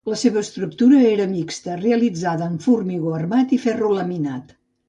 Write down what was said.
La seva estructura era mixta, realitzada en formigó armat i ferro laminat.